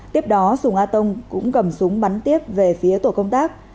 tiếp đó sùng a tông cũng cầm súng bắn tiếp về phía tổ công tác